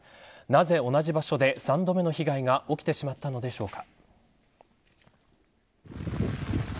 なぜ同じ場所で３度目の被害が起きてしまったのでしょうか。